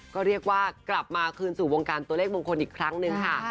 ก็เรียกว่ากลับมาคืนสู่วงการตัวเลขมงคลอีกครั้งหนึ่งค่ะ